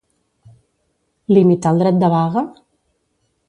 Limitar el dret de vaga?